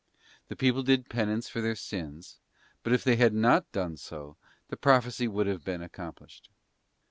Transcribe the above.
The people did penance for their sins; but if they had not done so, the prophecy would have been accomplished.